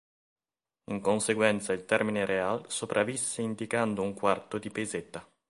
In conseguenza il termine real sopravvisse indicando un quarto di peseta.